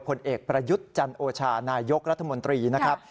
ผลเอกประยุทธ์จันโอชานายกรัฐมนตรีนะครับ